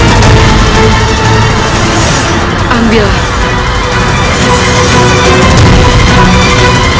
aku akan membentuknya